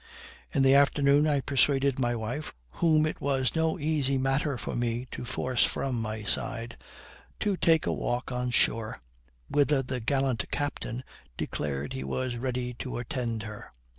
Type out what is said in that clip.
In the afternoon I persuaded my wife whom it was no easy matter for me to force from my side, to take a walk on shore, whither the gallant captain declared he was ready to attend her.